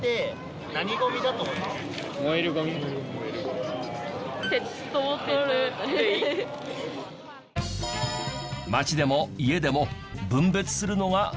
街でも家でも分別するのが当たり前。